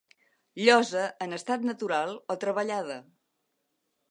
Llosa en estat natural o treballada.